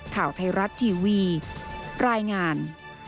ข่าวไทยรัฐทีวีรายงาน